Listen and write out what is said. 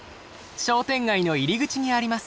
商店街の入り口にあります。